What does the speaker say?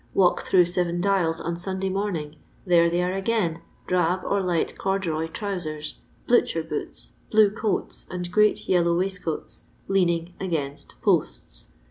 Walk through Seven Diala on Sunday morning : there they are again, drab or light corduroy trowsers, Blucher boots, blue coats, and great yellow waistcoats, leaning against posts.